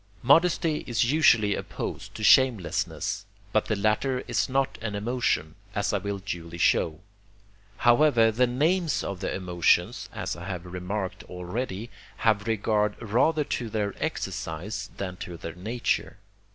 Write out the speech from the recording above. Modesty is usually opposed to shamelessness, but the latter is not an emotion, as I will duly show; however, the names of the emotions (as I have remarked already) have regard rather to their exercise than to their nature.